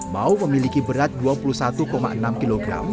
mau memiliki berat dua puluh satu enam kg